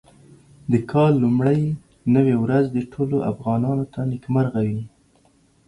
د کال لومړۍ نوې ورځ دې ټولو افغانانو ته نېکمرغه وي.